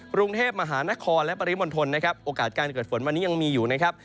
กรุงเทพมหานครและปริมณฑลนะครับโอกาสการเกิดฝนวันนี้ยังมีอยู่นะครับ